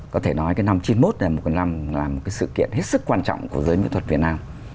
có thể nói cái năm chín mươi một là một cái năm là một cái sự kiện hết sức quan trọng của giới miễn thuật việt nam